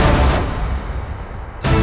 aku akan menangkapmu